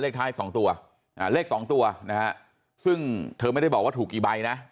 ท้ายสองตัวเลขสองตัวนะฮะซึ่งเธอไม่ได้บอกว่าถูกกี่ใบนะ